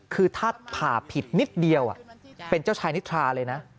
คือถ้าผ่าผิดนิดเดียวเป็นเจ้าชายนิทราเลยนะ